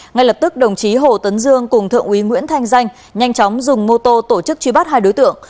ngay lập tức đồng chí hồ tấn dương cùng thượng úy nguyễn thanh danh nhanh chóng dùng mô tô tổ chức truy bắt hai đối tượng